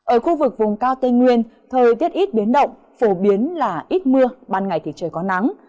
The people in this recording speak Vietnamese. ở khu vực vùng cao tây nguyên thời tiết ít biến động phổ biến là ít mưa ban ngày thì trời có nắng